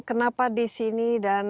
kenapa di sini